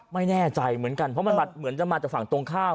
ไม่แน่ใจเหมือนกันเพราะมันเหมือนจะมาจากฝั่งตรงข้าม